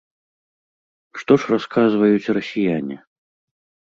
Што ж расказваюць расіяне?